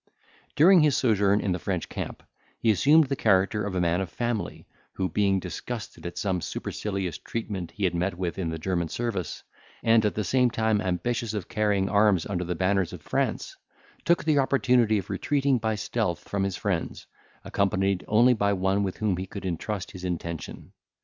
During his sojourn in the French camp, he assumed the character of a man of family, who being disgusted at some supercilious treatment he had met with in the German service, and at the same time ambitious of carrying arms under the banners of France, took the opportunity of retreating by stealth from his friends, accompanied only by one with whom he could intrust his intention.